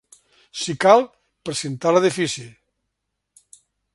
Si cal, precintar l’edifici.